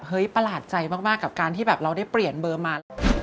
ประหลาดใจมากกับการที่แบบเราได้เปลี่ยนเบอร์มาแล้ว